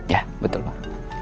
ya betul pak